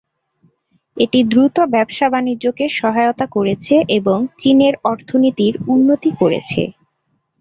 এটি দ্রুত ব্যবসা-বাণিজ্যকে সহায়তা করেছে এবং চীনের অর্থনীতির উন্নতি করেছে।